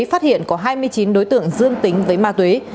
phát hiện có hai mươi chín đối tượng dương tính với ma túy